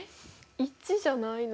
１じゃないの？